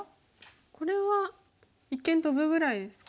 これは一間トブぐらいですか。